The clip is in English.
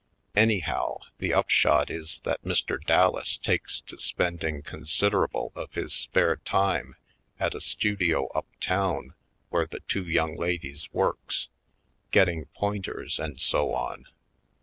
Anyhow, the upshot is that Mr. Dallas takes to spending considerable of his spare time at a studio up tov/n where the two young ladies works, getting pointers and so on.